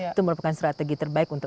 itu merupakan strategi terbaik untuk